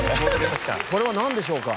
これはなんでしょうか？